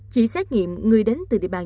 chỉ xét nghiệm người đến từ địa bàn